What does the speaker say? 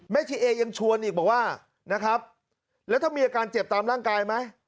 ทีเอยังชวนอีกบอกว่านะครับแล้วถ้ามีอาการเจ็บตามร่างกายไหม